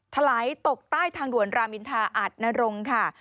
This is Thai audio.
ถลายตกใต้ทางด่วนรามอินทาอัดนรงค์ค่ะ